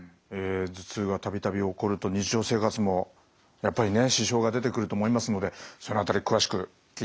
頭痛が度々起こると日常生活もやっぱりね支障が出てくると思いますのでその辺り詳しく聞いていきたいですね。